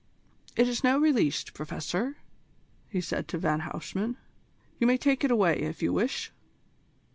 "It is now released, Professor," he said to Van Huysman. "You may take it away, if you wish."